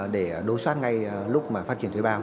để đối soát ngay lúc mà phát triển thuê bao